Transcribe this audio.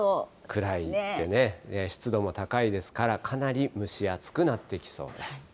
くらいでね、湿度も高いですから、かなり蒸し暑くなってきそうです。